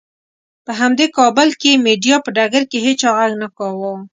په همدې کابل کې مېډیا په ډګر کې هېچا غږ نه کاوه.